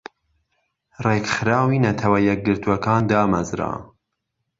رێکخراوی نەتەوە یەکگرتوەکان دامەزرا